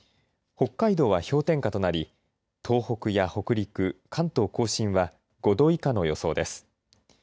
北海道は氷点下となり東北や北陸関東甲信は５度以下の予想です。